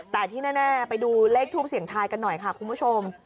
แต่ที่แน่ไปดูเลขทูปเสียงทายกันหน่อยค่ะคุณผู้ชม